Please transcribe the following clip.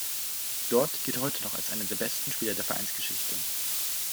Dort gilt er heute noch als einer der besten Spieler der Vereinsgeschichte.